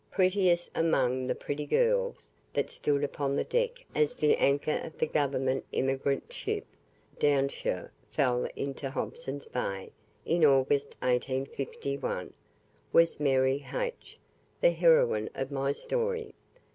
Prettiest among the pretty girls that stood upon the deck as the anchor of the Government immigrant ship 'Downshire' fell into Hobson's Bay, in August, 1851, was Mary H , the heroine of my story.